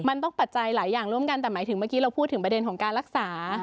มันต้องปัจจัยหลายอย่างร่วมกันแต่หมายถึงเมื่อกี้เราพูดถึงประเด็นของการรักษา